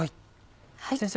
先生